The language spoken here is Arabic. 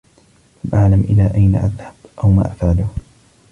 لم أعلم إلى أين أذهب أو ما أفعله.